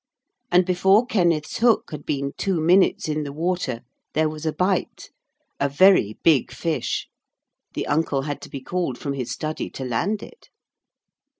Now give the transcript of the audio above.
And before Kenneth's hook had been two minutes in the water there was a bite, a very big fish, the uncle had to be called from his study to land it.